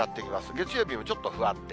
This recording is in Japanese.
月曜日もちょっと不安定。